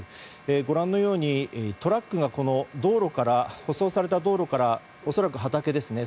ご覧のようにトラックが舗装された道路から恐らく畑ですね